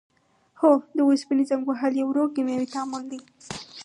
هو د اوسپنې زنګ وهل یو ورو کیمیاوي تعامل دی.